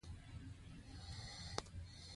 دا د اسعارو د بدلولو اړتیا له مینځه وړي.